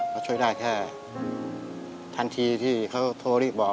เขาช่วยได้แค่ทันทีที่เขาโทรรีบบอก